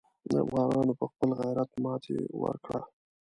افغانانو په خپل غیرت ماته ورکړه.